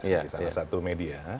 di salah satu media